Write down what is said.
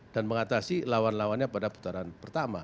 dan mengatasi lawan lawannya pada putaran pertama